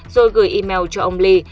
rồi gửi email cho ông lee